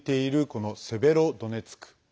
このセベロドネツク。